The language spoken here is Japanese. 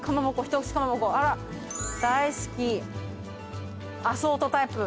大好きアソートタイプ。